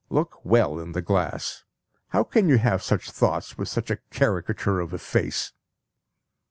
Look well in the glass. How can you have such thoughts with such a caricature of a face?"